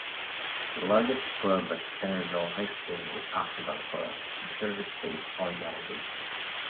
The largest club at Centerville High School is Octagon Club, a service-based organization.